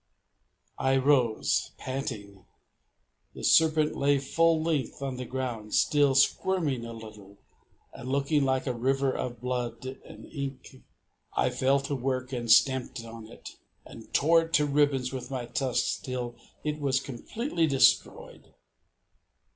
I rose, panting. The serpent lay full length on the ground, still squirming a little, and looking like a river of blood and ink. I fell to work, and stamped on it, and tore it to ribbons with my tusks till it was completely destroyed.